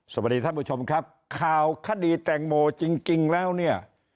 สวัสดีท่านผู้ชมครับข่าวคดีแตงโมจริงแล้วเนี่ย